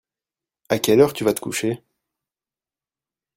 À quelle heure tu vas te coucher ?